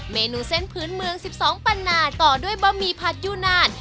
เมนูเส้นพื้นเมือง๑๒ปันนาต่อด้วยบะหมี่ผัดยูนาน